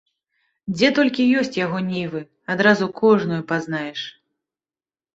Дзе толькі ёсць яго нівы, адразу кожную пазнаеш.